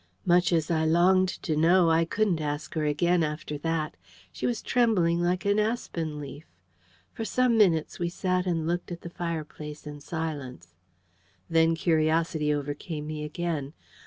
Much as I longed to know, I couldn't ask her again after that. She was trembling like an aspen leaf. For some minutes we sat and looked at the fireplace in silence. Then curiosity overcame me again.